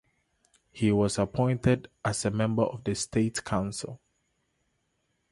He was appointed as a member of the State Council.